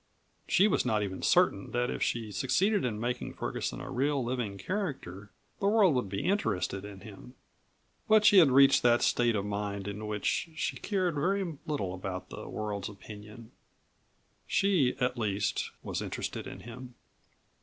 She was not even certain that if she succeeded in making Ferguson a real living character the world would be interested in him. But she had reached that state of mind in which she cared very little about the world's opinion. She, at least, was interested in him.